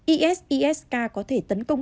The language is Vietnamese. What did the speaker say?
isis k có thể tấn công